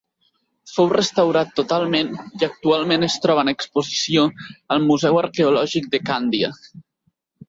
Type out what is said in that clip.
Fou restaurat totalment i actualment es troba en exposició al Museu Arqueològic de Càndia.